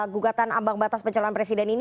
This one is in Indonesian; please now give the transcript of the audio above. gugatan ambang batas pencalon presiden ini